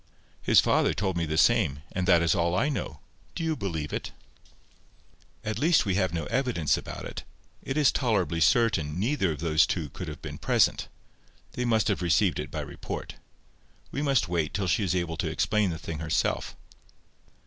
"His father told me the same; and that is all I know. Do you believe it?" "At least we have no evidence about it. It is tolerably certain neither of those two could have been present. They must have received it by report. We must wait till she is able to explain the thing herself."